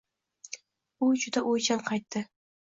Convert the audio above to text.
U juda o‘ychan qaytdi.